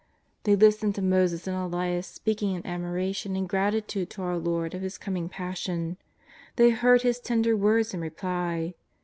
They listened to Moses and Elias speaking in admiration and gratitude to our Lord of His coming Passion. They heard His tender words in reply.